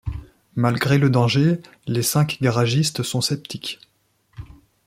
Malgré le danger, les cinq garagistes sont sceptiques.